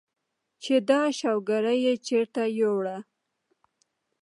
چې دا شوګر ئې چرته يوړۀ ؟